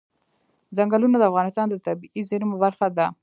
ځنګلونه د افغانستان د طبیعي زیرمو برخه ده.